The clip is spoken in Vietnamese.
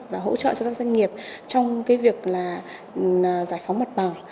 và hỗ trợ cho các doanh nghiệp trong việc giải phóng mặt bảo